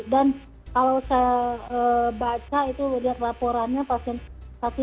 dan kalau saya baca itu lihat laporannya pasien satu dan dua itu